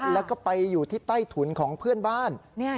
แล้วก็ไปอยู่ที่ใต้ถุนของเพื่อนบ้าน